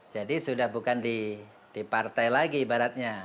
jadi sudah bukan di partai lagi ibaratnya